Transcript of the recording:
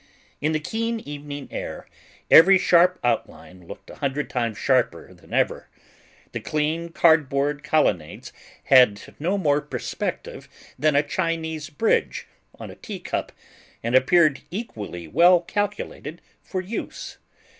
In the keen evening air, every sharp outline looked a hundred times sharper than ever. The clean cardboard colonnades had no more perspective than a Chinese bridge on a tea cup, and appeared equally well calculated for use.